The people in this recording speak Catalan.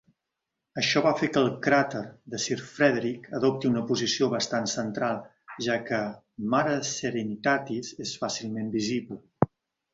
Això fa que el cràter de Sir Frederick adopti una posició bastant central, ja que Mare Serenitatis és fàcilment visible.